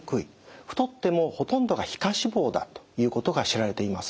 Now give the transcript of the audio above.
太ってもほとんどが皮下脂肪だということが知られています。